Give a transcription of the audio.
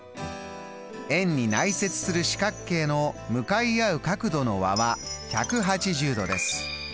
円に内接する四角形の向かい合う角度の和は１８０度です。